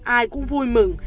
ai cũng vui mừng